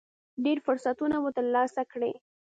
ډېر فرصتونه به ترلاسه کړئ .